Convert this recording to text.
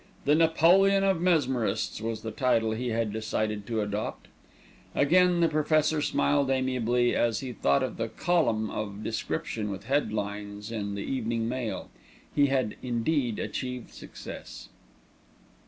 "The Napoleon of Mesmerists," was the title he had decided to adopt. Again the Professor smiled amiably as he thought of the column of description with headlines in The Evening Mail. He had indeed achieved success.